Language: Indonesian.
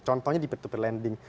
contohnya di peer to peer lending